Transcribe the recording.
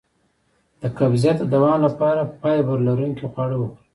د قبضیت د دوام لپاره فایبر لرونکي خواړه وخورئ